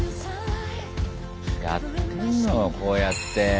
やってんのよこうやって。